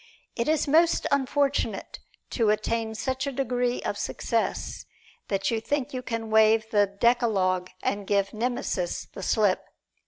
It is most unfortunate to attain such a degree of success that you think you can waive the decalogue and give Nemesis the slip.